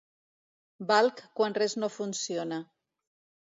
Valc quan res no funciona.